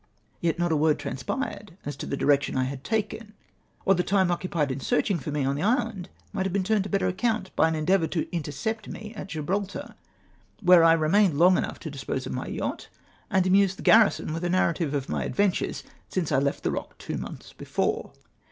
Yet not a word transpired as to the direction I had taken, or the time occupied in searching for me on the island might have been turned to better account by an endeavom" to intercept me at Gibraltar, where I re mained long enough to dispose of my yacht, and amuse the garrison with a narrative of my adventures since I left the Kock t^wo months before!